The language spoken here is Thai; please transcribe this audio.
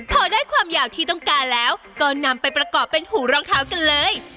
พอได้ความยาวที่ต้องการแล้วก็นำไปประกอบเป็นหูรองเท้ากันเลย